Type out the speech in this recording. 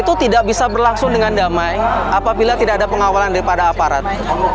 itu tidak bisa berlangsung dengan damai apabila tidak ada pengawalan daripada aparat